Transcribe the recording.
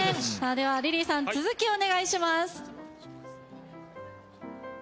ではリリーさん続きをお願いします。